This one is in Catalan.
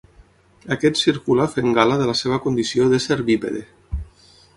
Aquest circula fent gala de la seva condició d'ésser bípede.